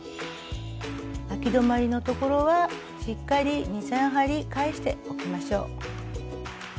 あき止まりの所はしっかり２３針返しておきましょう。